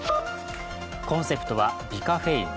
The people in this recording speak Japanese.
コンセプトは微カフェイン。